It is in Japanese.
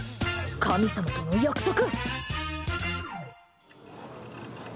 神様との約束！